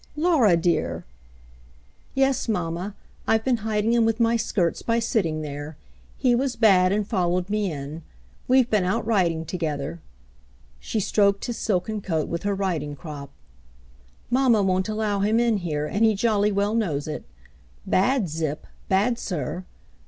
"Laura, dear !" 'Yes, mamma, I've been hiding him with my skirts by <<' 230 The Mountain Girl sitting there. He was bad and followed me in. We've been out riding together." She stroked his silken coat with her riding crop. *' Mamma won't allow him in here, and he jolly well knows it. Bad Zip, bad, sir